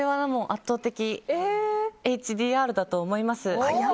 圧倒的ＨＤＲだと思います。